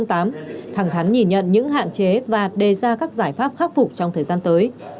thẳng thắn nhìn nhận những hạn chế và đề ra các giải pháp khắc phục trong thời gian tới